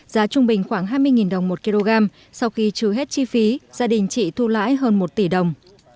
giá trung bình khoảng hai mươi đồng một kg sau khi trừ hết chi phí gia đình chị thu lãi hơn một tỷ đồng